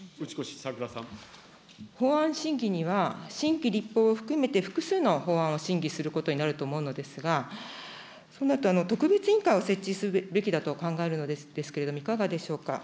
法案審議には、新規立法を含めて、複数の法案を審議することになると思うのですが、そうなると、特別委員会を設置するべきだと考えるのですけれども、いかがでしょうか。